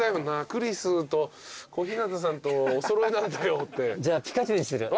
クリスと小日向さんとお揃いなんだよって。